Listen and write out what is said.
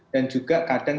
dan juga kadang kadang